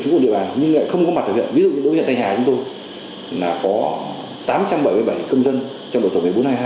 trú của địa bàn nhưng lại không có mặt ở huyện ví dụ tại nhà chúng tôi là có tám trăm bảy mươi bảy công dân trong đội tổ